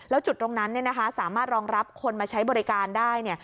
แล้วจุดตรงนั้นสามารถรองรับคนมาใช้บริการได้